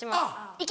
行け！